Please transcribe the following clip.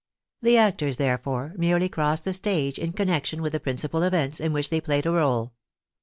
The actors, therefore, merely cross the stage in connection with the principal events in which they played a role.